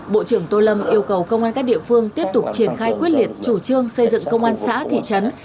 bộ trưởng tô lâm yêu cầu công an các địa phương tiếp tục triển khai quyết liệt chủ trương xây dựng công an xã thị trấn